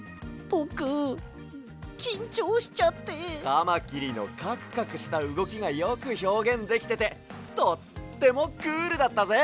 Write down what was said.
カマキリのカクカクしたうごきがよくひょうげんできててとってもクールだったぜ！